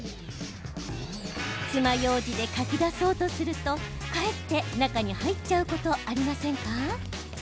つまようじでかき出そうとすると返って中に入っちゃうことありませんか？